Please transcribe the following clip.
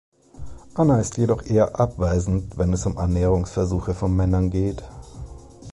Anna ist jedoch eher abweisend, wenn es um Annäherungsversuche von Männern geht.